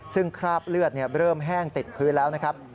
ซึ่งคราบเลือดเริ่มแห้งติดพื้นแล้วนะครับ